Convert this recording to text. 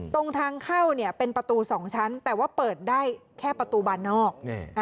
ตรงทางเข้าเป็นประตู๒ชั้นแต่ว่าเปิดได้แค่ประตูบานนอก